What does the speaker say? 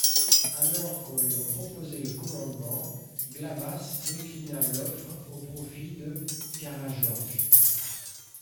Alors qu'on lui en proposait le commandement, Glavaš déclina l'offre au profit de Karageorges.